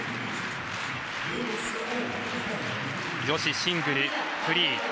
女子シングル、フリー。